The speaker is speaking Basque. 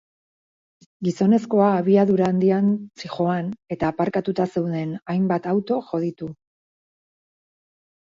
Gizonezkoa abiadura handian zihoan eta aparkatuta zeuden hainbat auto jo ditu.